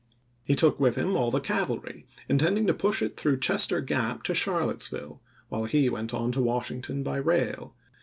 He took with him all the cavalry, intending to push it through Chester Gap to Charlottesville, while he went on to Washington by rail.